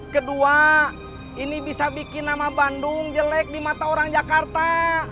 kedua ini bisa bikin nama bandung jelek di mata orang jakarta